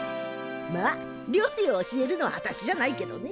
まあ料理を教えるのはあたしじゃないけどね。